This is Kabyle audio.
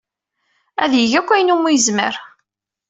Ad yeg akk ayen umi yezmer.